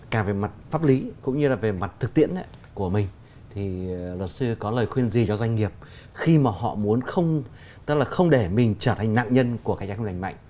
cả về mặt pháp lý cũng như là về mặt thực tiễn của mình thì luật sư có lời khuyên gì cho doanh nghiệp khi mà họ muốn không tức là không để mình trở thành nạn nhân của cạnh tranh không lành mạnh